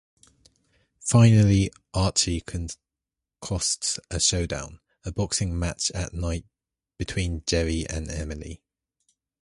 Finally, Archie concocts a showdown: a boxing match at night between Jerry and Emile.